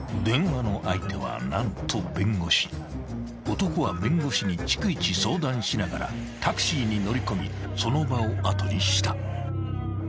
［男は弁護士に逐一相談しながらタクシーに乗り込みその場を後にした］